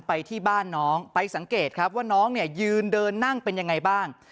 ไปที่บ้านน้องไปสังเกตครับว่าน้องเนี่ยยืนเดินนั่งเป็นยังไงบ้าง